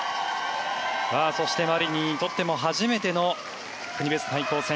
そしてマリニンにとっても初めての国別対抗戦。